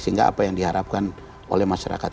sehingga apa yang diharapkan oleh masyarakat